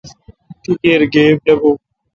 تی کیر گیب نہ بھو۔